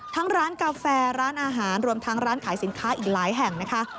ร้านกาแฟร้านอาหารรวมทั้งร้านขายสินค้าอีกหลายแห่งนะคะ